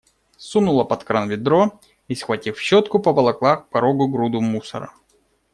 Сунула под кран ведро и, схватив щетку, поволокла к порогу груду мусора.